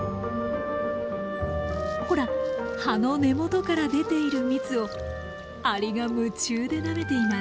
ほら葉の根元から出ている蜜をアリが夢中でなめています。